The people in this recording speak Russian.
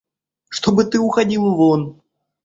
Чтобы ты уходил вон.